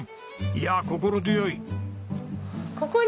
いやあ心強い！